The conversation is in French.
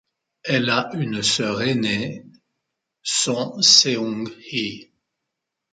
Elle a une sœur aînée, Son Seung-hee.